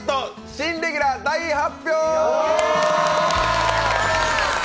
新レギュラー大発表！